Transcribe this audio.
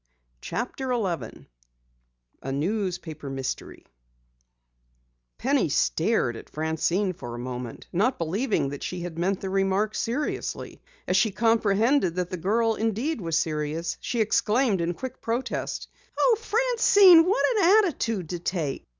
'" CHAPTER 11 A NEWSPAPER MYSTERY Penny stared at Francine, for a moment not believing that she had meant the remark seriously. As she comprehended that the girl indeed was serious, she exclaimed in quick protest: "Oh, Francine, what an attitude to take!